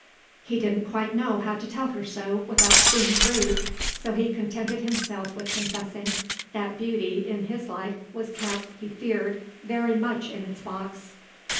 He didn't quite know how to tell her so without seeming rude, so he contented himself with confessing that beauty, in his life, was kept, he feared, very much in its box.